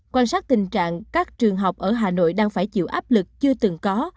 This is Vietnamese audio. quan sát tình trạng các trường học ở hà nội đang phải chịu áp lực chưa từng có